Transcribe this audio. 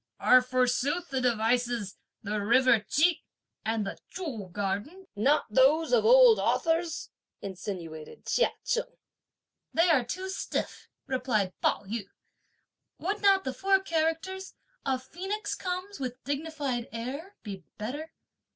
"Are forsooth the devices 'the river Ch'i and the Chu Garden' not those of old authors?" insinuated Chia Cheng. "They are too stiff," replied Pao yü. "Would not the four characters: 'a phoenix comes with dignified air,' be better?"